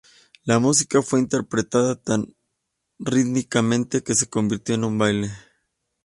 La música fue interpretada tan rítmicamente que se convirtió en un baile.